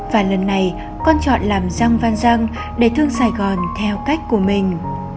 và lần này con chọn làm răng văn răng để thương sài gòn theo cách của mình